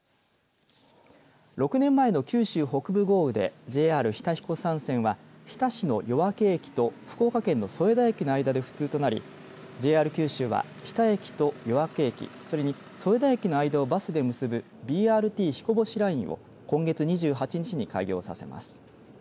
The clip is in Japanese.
６年前の九州北部豪雨でＪＲ日田彦山線は日田市の夜明駅と福岡県の添田駅の間で不通となりＪＲ九州は日田駅と夜明駅それに添田駅の間をバスで結ぶＢＲＴひこぼしラインを今月２８日に開業させます。